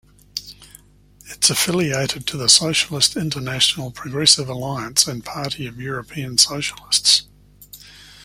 It is affiliated to the Socialist International, Progressive Alliance and Party of European Socialists.